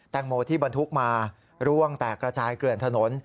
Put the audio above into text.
โมที่บรรทุกมาร่วงแตกกระจายเกลื่อนถนน